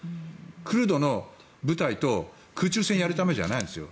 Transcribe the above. クルドの部隊と空中戦をやるためじゃないんですよ。